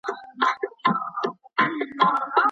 ایا په مخامخ ټولګیو کي د آنلاین زده کړو په نسبت بحثونه ډیر وي؟